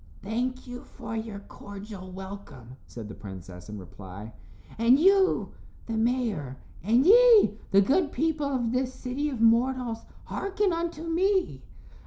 "Thank you for your cordial welcome," said the princess, in reply, "and you the mayor, and ye the good people of this city of mortals, hearken unto me.